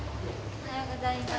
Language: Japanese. おはようございます。